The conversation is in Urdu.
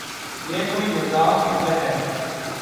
یہ کوئی نظام فکر ہے۔